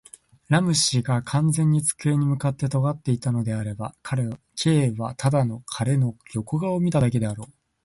ラム氏が完全に机に向って坐っていたのであれば、Ｋ はただ彼の横顔を見ただけであろう。